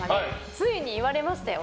ついに言われましたよ。